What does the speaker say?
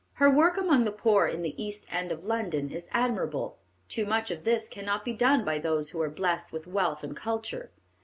Her work among the poor in the East End of London is admirable. Too much of this cannot be done by those who are blessed with wealth and culture.